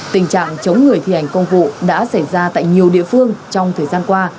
tình trạng chống người thi hành công vụ đã xảy ra tại nhiều địa phương trong thời gian qua